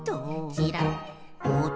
ちらっ。